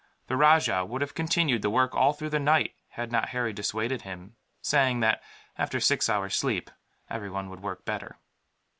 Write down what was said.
The rajah would have continued the work all through the night, had not Harry dissuaded him; saying that, after six hours' sleep, everyone would work better.